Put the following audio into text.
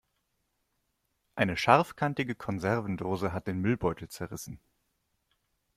Eine scharfkantige Konservendose hat den Müllbeutel zerrissen.